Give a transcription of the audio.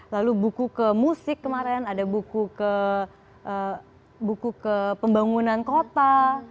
lalu buku ke musik kemarin ada buku ke buku ke pembangunan kota